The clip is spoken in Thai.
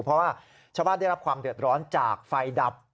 เพราะว่าชาวบ้านได้รับความเดือดร้อนจากไฟดับ